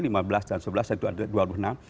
itu ada dua puluh enam